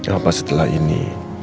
apa setelah ini